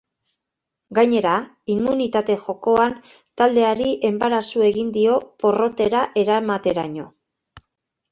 Gainera, immunitate jokoan taldeari enbarazu egin dio porrotera eramateraino.